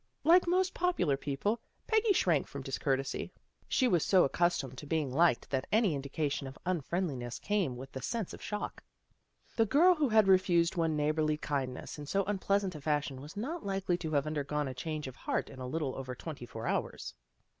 Like most popular people, Peggy shrank from discourtesy. She was so accus tomed to being liked that any indication of unfriendliness came with a sense of shock. The girl who had refused one neighborly kind ness in so unpleasant a fashion was not likely to have undergone a change of heart in a little over twenty four hours.